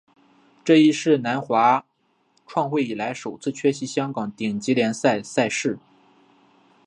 这亦是南华创会以来首次缺席香港顶级联赛赛事。